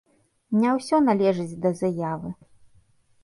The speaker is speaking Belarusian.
Не ўсё належыць да заявы.